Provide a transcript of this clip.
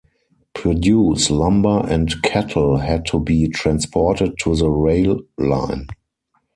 Produce, lumber, and cattle had to be transported to the rail line.